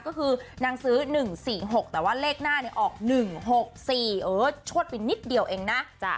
ก็คือนางซื้อ๑๔๖แต่ว่าเลขหน้าออก๑๖๔เออชวดไปนิดเดียวเองนะ